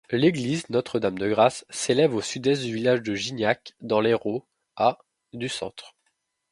L'église Notre-Dame-de-Grâce s'élève au sud-est du village de Gignac, dans l'Hérault, à du centre.